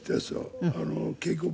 稽古場に。